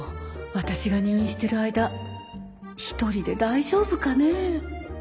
私が入院してる間１人で大丈夫かね。